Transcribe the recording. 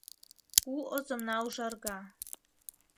У озымна ужарга